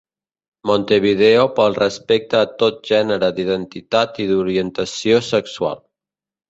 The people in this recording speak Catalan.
Montevideo pel respecte a tot gènere d'identitat i d'orientació sexual.